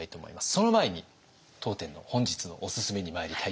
その前に当店の本日のおすすめにまいりたいと思います。